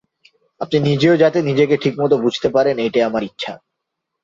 আপনি নিজেও যাতে নিজেকে ঠিকমত বুঝতে পারেন এইটে আমার ইচ্ছা।